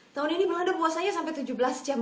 tahun ini mengadu puasanya sampai tujuh belas jam